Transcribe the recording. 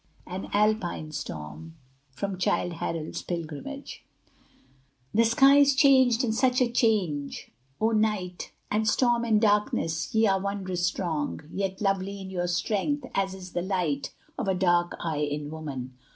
AN ALPINE STORM From 'Childe Harold's Pilgrimage' The sky is changed and such a change! O Night, And storm, and darkness, ye are wondrous strong, Yet lovely in your strength, as is the light Of a dark eye in woman!